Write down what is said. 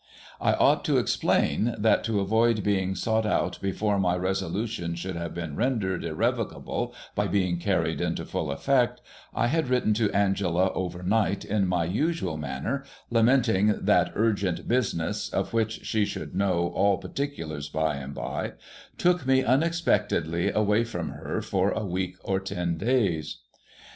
I ought to explain, that, to avoid being sought out before my resolu tion should have been rendered irrevocable by being carried into full eftect, I had written to Angela overnight, in my usual manner, lamenting that urgent business, of which she should know all particulars by and by — took me unexpectedly away from her for a week or ten days.